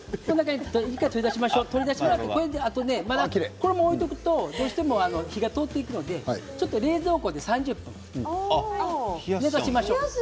このまま置いておくとどうしても火が通っていくので冷蔵庫で３０分冷やしましょう。